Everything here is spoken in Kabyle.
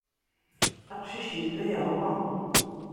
Aqcic yella yeṛwa.